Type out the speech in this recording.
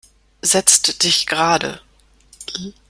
Setzt dich gerade!